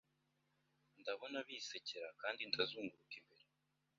Ndabona bisekera kandi ndazunguruka imbere